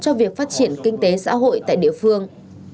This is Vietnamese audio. cho việc phát triển kinh tế xã hội tại địa phương